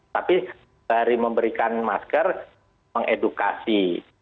tapi dari memberikan masker mengedukasi